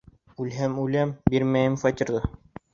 Үлһәм, үләм, бирмәйем фатирҙы!